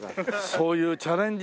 そういうチャレンジ